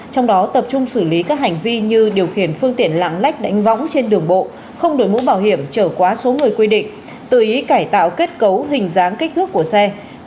trong đó tập trung xử lý các hành vi như điều khiển phương tiện lạng lách đánh võng trên đường bộ không đổi mũ bảo hiểm trở quá số người quy định tự ý cải tạo kết cấu hình dáng kích thước của xe